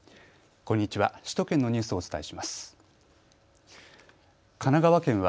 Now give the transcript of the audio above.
こんにちは。